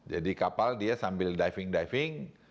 jadi kapal dia sambil diving diving